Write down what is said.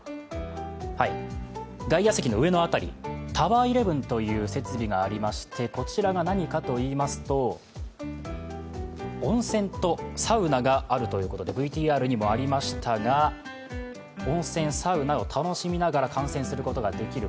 外野席の上の辺り、タワー・イレブンという設備がありましてこちらが何かといいますと温泉とサウナがあるということでＶＴＲにもありましたが、温泉、サウナを楽しみながら観戦することができる